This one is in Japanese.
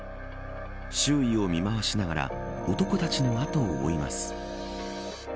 周囲を見回しながら男たちの後を追います。